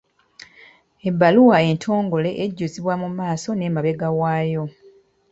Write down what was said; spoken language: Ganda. Ebbaluwa entongole ejjuzibwa mu maaso n’emabega waayo.